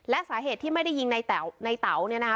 และสาเหตุที่ไม่ได้ยิงนายเต๋านายเต๋าเนี่ยนะคะ